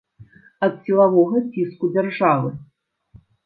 Ад сілавога ціску дзяржавы!